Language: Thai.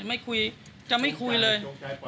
ไม่คุยจะไม่คุยเลย